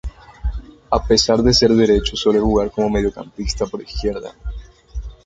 A pesar de ser derecho suele jugar como mediocampista por izquierda.